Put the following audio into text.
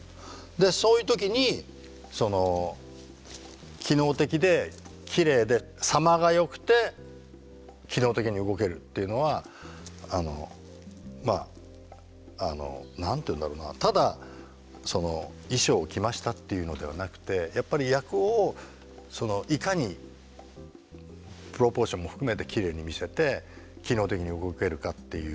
でそういう時に機能的できれいで様が良くて機能的に動けるっていうのはまあ何て言うんだろうなただその衣装を着ましたっていうのではなくてやっぱり役をいかにプロポーションも含めてきれいに見せて機能的に動けるかっていう。